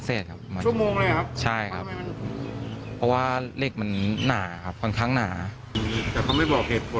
แต่เขาไม่ได้บอกเหตุผลเลยใช่ไหมครับ